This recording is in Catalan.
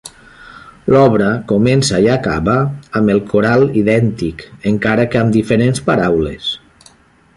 L'obra comença i acaba amb el coral idèntic, encara que amb diferents paraules.